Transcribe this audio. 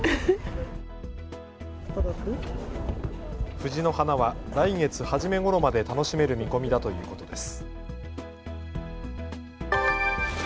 藤の花は来月初めごろまで楽しめる見込みだということです。